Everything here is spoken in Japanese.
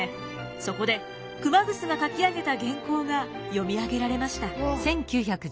そこで熊楠が書き上げた原稿が読み上げられました。